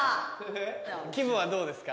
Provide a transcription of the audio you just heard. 気分はどうですか？